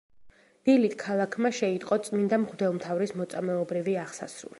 დილით ქალაქმა შეიტყო წმიდა მღვდელმთავრის მოწამეობრივი აღსასრული.